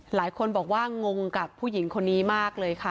หลายคนบอกว่างงกับผู้หญิงคนนี้มากเลยค่ะ